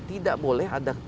tidak boleh ada perusahaan